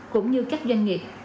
cũng như các doanh nghiệp